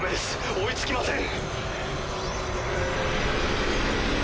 追いつきません。